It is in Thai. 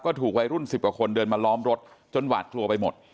ก็ถูกไว้รุ่นสิบกว่าคนเดินมาล้อมรถจนวัดครัวไปหมด